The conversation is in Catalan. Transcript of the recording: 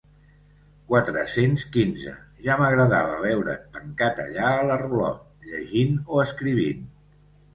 Quatre-cents quinze ja m'agradava veure't tancat allà a la rulot, llegint o escrivint.